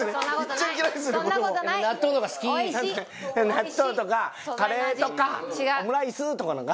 納豆とかカレーとかオムライスとかの方が。